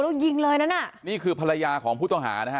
แล้วยิงเลยนั้นอ่ะนี่คือภรรยาของผู้ต้องหานะฮะ